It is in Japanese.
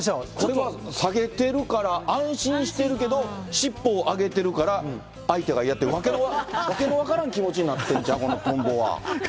これは下げてるから安心してるけど、尻尾を上げているから、相手が嫌って、訳の分からん気持ちになってんちゃう、このとんぼは。